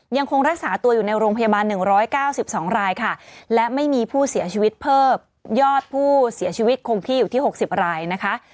ยังคงรักษาตัวอยู่ในโรงพยาบาล๑๙๒รายค่ะและไม่มีผู้เสียชีวิตเพิ่มยอดผู้เสียชีวิตคงที่อยู่ที่๖๐รายนะคะ